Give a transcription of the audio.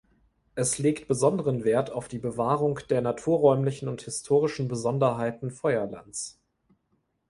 Es legt besonderen Wert auf die Bewahrung der naturräumlichen und historischen Besonderheiten Feuerlands.